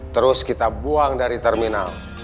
terus kita buang dari terminal